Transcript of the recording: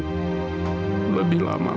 bukan untuk ber soon kukuh